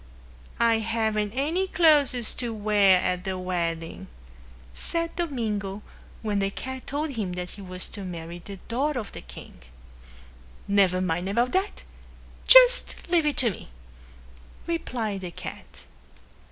"I haven't any clothes to wear at the wedding," said Domingo when the cat told him that he was to marry the daughter of the king. "Never mind about that. Just leave it to me," replied the cat.